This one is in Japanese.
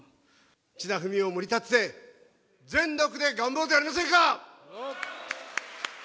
岸田文雄をもり立てて、全力で頑張ろうではありませんか！